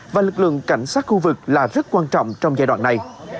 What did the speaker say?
và lực lượng cảnh sát khu vực là rất quan trọng trong giai đoạn này